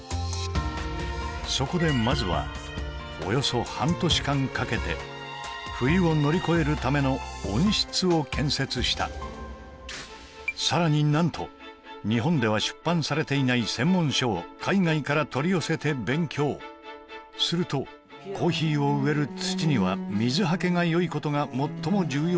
そこでまずはおよそ半年間かけて冬を乗り越えるための温室を建設したさらに何と日本では出版されていない専門書を海外から取り寄せて勉強するとコーヒーを植える土には水はけがよいことが最も重要だと分かった